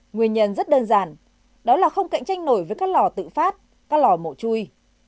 nguyên nhân rất đơn giản đó là không cạnh tranh nổi với các lò tự phát các lò mổ chui